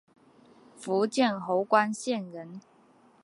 福建侯官县人。